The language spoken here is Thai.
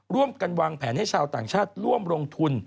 ร่วมกันวางแผนให้ชาวต่างชาติร่วมลงทุน